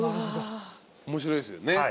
面白いっすよね。